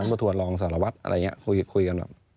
ประทวนรองสารวัตรอะไรอย่างนี้คุยกันแบบ